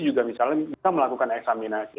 juga bisa melakukan eksaminasi